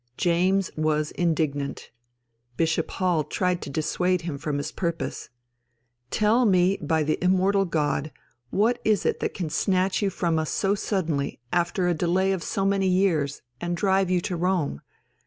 James was indignant. Bishop Hall tried to dissuade him from his purpose. "Tell me, by the Immortal God, what it is that can snatch you from us so suddenly, after a delay of so many years, and drive you to Rome?